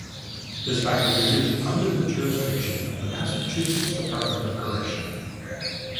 This facility is under the jurisdiction of the Massachusetts Department of Correction.